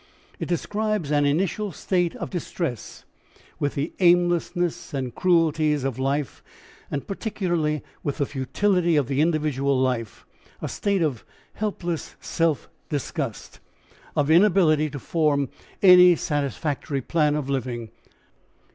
It describes an initial state of distress with the aimlessness and cruelties of life, and particularly with the futility of the individual life, a state of helpless self disgust, of inability to form any satisfactory plan of living.